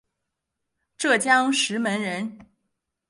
浙江石门人。